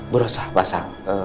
berusaha pak sal